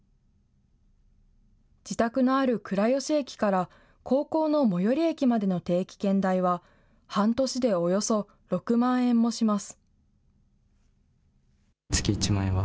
自宅のある倉吉駅から高校の最寄り駅までの定期券代は、半年でおよそ６万円もします。